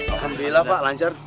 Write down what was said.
alhamdulillah pak lancar